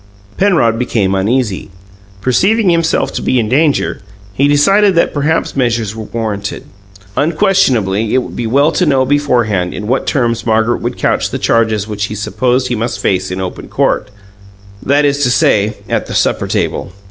Penrod became uneasy. Perceiving himself to be in danger, he decided that certain measures were warranted. Unquestionably, it would be well to know beforehand in what terms Margaret would couch the charges which he supposed he must face in open court that is to say, at the supper table.